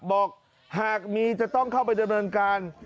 บอกหากมีจะต้องเข้าไปดำเนินการ